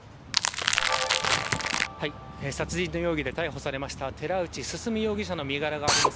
殺人の容疑で逮捕されました寺内進容疑者の身柄があります